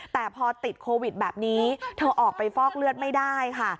แต่พอติดโควิดแบบนี้เธอออกไปฟอกเลือดไม่ได้ค่ะ